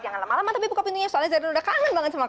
jangan lama lama tapi buka pintunya soalnya udah kangen banget sama